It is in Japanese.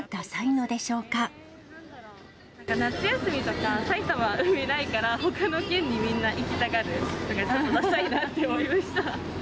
なんか夏休みとか、埼玉は海ないから、ほかの県に、皆行きたがるのが、ちょっとダサいなって思いました。